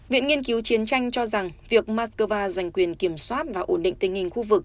viện nghiên cứu chiến tranh cho rằng việc moscow giành quyền kiểm soát và ổn định tình hình khu vực